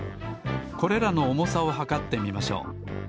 これらのおもさをはかってみましょう。